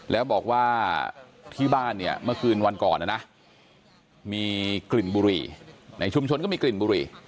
แล้วบอกว่าที่บ้านเนี่ยเมื่อคืนวันก่อนนะนะมีกลิ่นบุหรี่ในชุมชนก็มีกลิ่นบุหรี่